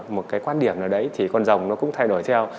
một cái quan điểm nào đấy thì con rồng nó cũng thay đổi theo